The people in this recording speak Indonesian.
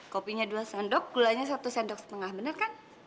kopinya dua sendok gulanya satu sendok setengah benar kan